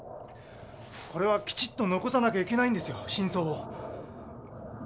これはきちっと残さなきゃいけないんですよ真相を。